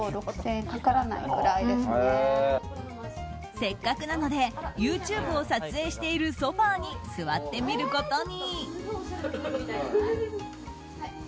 せっかくなのでＹｏｕＴｕｂｅを撮影しているソファに座ってみることに。